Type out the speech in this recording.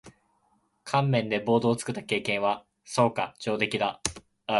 乾麺でボートを作った経験は？そうか。上出来だ。